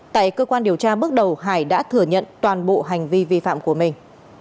tại cơ quan điều tra bước đầu hải đã thừa nhận toàn bộ hành vi vi phạm của mình